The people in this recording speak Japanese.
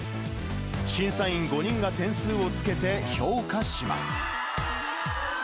審査員５人が点数をつけて評価します。